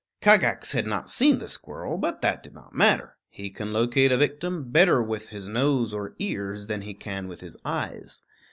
Kagax had not seen the squirrel; but that did not matter; he can locate a victim better with his nose or ears than he can with his eyes.